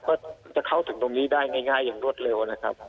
ก็จะเข้าถึงตรงนี้ได้ง่ายอย่างรวดเร็วนะครับ